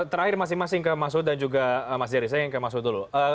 terakhir masing masing ke masud dan juga mas jeris saya yang ke masud dulu